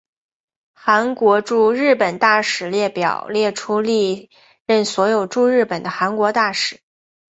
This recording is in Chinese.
韩国驻日本大使列表列出历任所有驻日本的韩国大使。